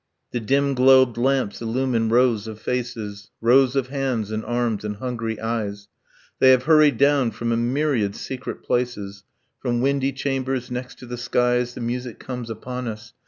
... The dim globed lamps illumine rows of faces, Rows of hands and arms and hungry eyes, They have hurried down from a myriad secret places, From windy chambers next to the skies. ... The music comes upon us.